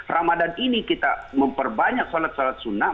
ramadan ini kita memperbanyak sholat sholat sunnah